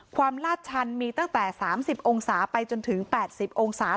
ลาดชันมีตั้งแต่๓๐องศาไปจนถึง๘๐องศา